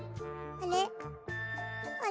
あれ？